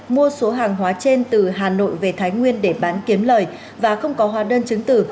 mua số hàng hóa trên từ hà nội về thái nguyên để bán kiếm lời và không có hóa đơn chứng tử